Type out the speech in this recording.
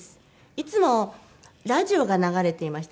いつもラジオが流れていました